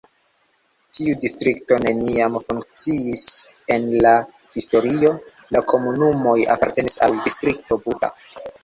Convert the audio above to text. Tiu distrikto neniam funkciis en la historio, la komunumoj apartenis al Distrikto Buda.